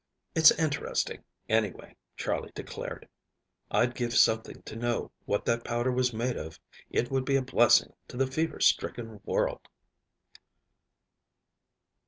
"It's interesting, anyway," Charley declared. "I'd give something to know what that powder was made of. It would be a blessing to the fever stricken world."